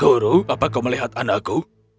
guru apakah kau melihat anakku